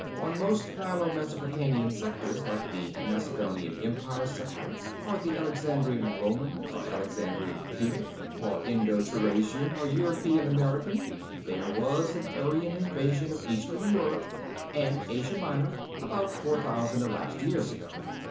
"On most Nilo Mesopotamian sectors, like the Macedonian Empire Sector, or the Alexandrian Roman or Alexandrian Punic or Indo Turanian or Europo American, there was an Aryan invasion of Eastern Europe and Asia Minor about four thousand elapsed years ago.